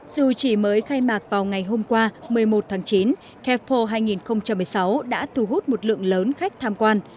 dù chỉ mới khai mạc vào ngày hôm qua một mươi một tháng chín capo hai nghìn một mươi sáu đã thu hút một lượng lớn khách tham quan